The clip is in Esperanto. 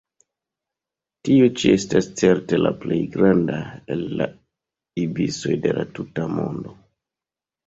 Tiu ĉi estas certe la plej granda el la ibisoj de la tuta mondo.